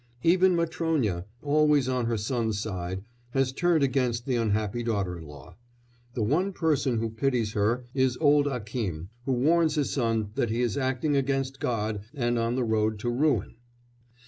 Even Matrónya, always on her son's side, has turned against the unhappy daughter in law; the one person who pities her is old Akím, who warns his son that he is acting against God and on the road to ruin.